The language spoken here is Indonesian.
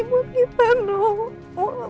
buat kita noh